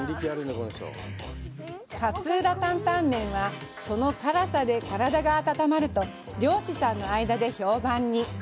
勝浦タンタンメンはその辛さで体が温まると漁師さんの間で評判に。